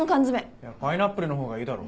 パイナップルの方がいいだろ。